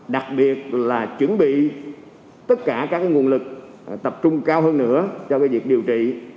đặc biệt là chuẩn bị tất cả các nguồn lực tập trung cao hơn nữa cho việc điều trị